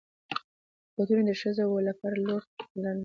بوټونه د ښځینه وو لپاره لوړ تل لري.